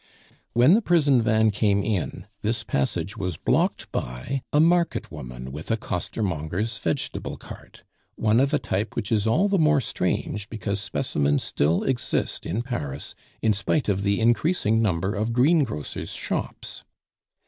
When the prison van came in, this passage was blocked by a market woman with a costermonger's vegetable cart one of a type which is all the more strange because specimens still exist in Paris in spite of the increasing number of green grocers' shops.